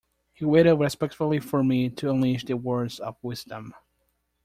He waited respectfully for me to unleash the words of wisdom.